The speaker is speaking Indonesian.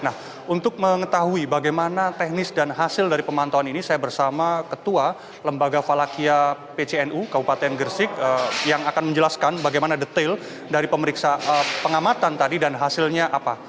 nah untuk mengetahui bagaimana teknis dan hasil dari pemantauan ini saya bersama ketua lembaga falakia pcnu kabupaten gresik yang akan menjelaskan bagaimana detail dari pemeriksaan pengamatan tadi dan hasilnya apa